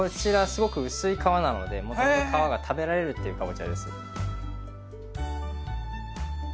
すごく薄い皮なのでもともと皮が食べられるっていうかぼちゃです